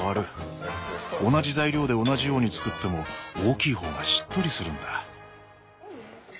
同じ材料で同じように作っても大きい方がしっとりするんだ。